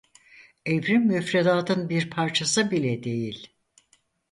Evrim müfredatın bir parçası bile değil.